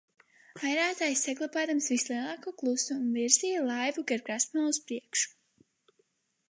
Airētājs, saglabādams vislielāko klusumu, virzīja laivu gar krastmalu uz priekšu.